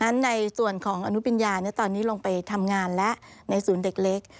ในส่วนของอนุปิญญาตอนนี้ลงไปทำงานแล้วในศูนย์เด็กเล็ก